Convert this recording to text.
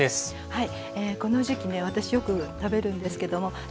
はい。